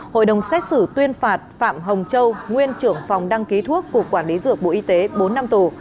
hội đồng xét xử tuyên phạt phạm hồng châu nguyên trưởng phòng đăng ký thuốc cục quản lý dược bộ y tế bốn năm tù